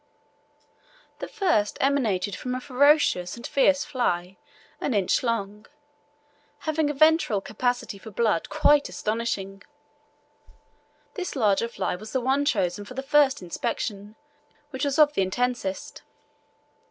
The first emanated from a voracious and fierce fly, an inch long, having a ventral capacity for blood quite astonishing. This larger fly was the one chosen for the first inspection, which was of the intensest.